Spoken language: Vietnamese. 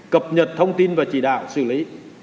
cập nhật thông tin và chỉ đạo xử lý